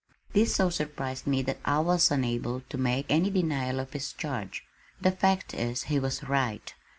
This so surprised me that I was unable to make any denial of his charge. The fact is he was right.